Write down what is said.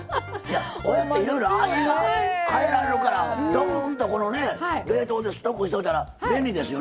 これっていろいろ味が変えられるからドーンとこのね冷凍でストックしといたら便利ですよね。